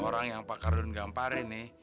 orang yang pak kardun gamparin nih